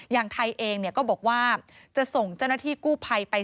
อย่างไทยเองก็บอกว่าจะส่งเจ้าหน้าที่กู้ภัยไป